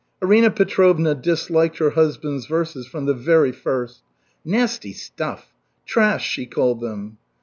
Arina Petrovna disliked her husband's verses from the very first. "Nasty stuff!" "Trash!" she called them.